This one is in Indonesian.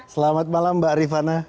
selamat malam mbak rifana